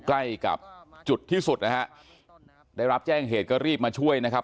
ใกล้กับจุดที่สุดนะฮะได้รับแจ้งเหตุก็รีบมาช่วยนะครับ